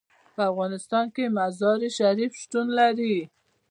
په افغانستان کې مزارشریف شتون لري.